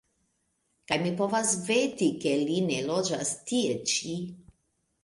Kaj mi povas veti, ke li ne loĝas tie ĉi.